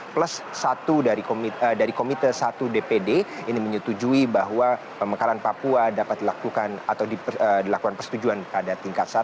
plus satu dari komite satu dpd ini menyetujui bahwa pemekaran papua dapat dilakukan atau dilakukan persetujuan pada tingkat satu